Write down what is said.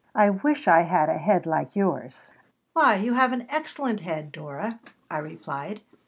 I wish I had a head like yours." "Why, you have an excellent head, Dora," I replied.